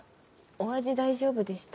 お味大丈夫でした？